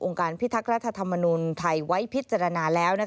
การพิทักษ์รัฐธรรมนุนไทยไว้พิจารณาแล้ว